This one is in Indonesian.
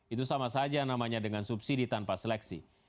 itu sama saja namanya dengan subsidi tanpa seleksi